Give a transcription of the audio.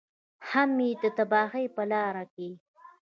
هم یې د تباهۍ په لاره کې.